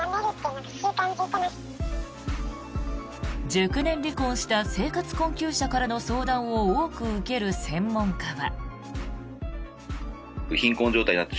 熟年離婚した生活困窮者からの相談を多く受ける専門家は。